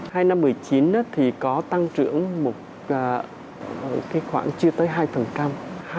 hai năm hai nghìn một mươi chín thì có tăng trưởng một cái khoảng chưa tới hai phần trăm